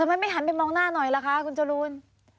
ทำไมไม่หันไปมองหน้าหน่อยล่ะคะคุณจรูน